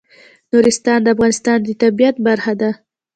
نورستان د افغانستان د طبیعت برخه ده.